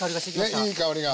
ねいい香りが。